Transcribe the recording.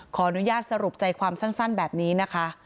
ขออนุญาตสรุปใจความสั้นแบบนี้นะคะ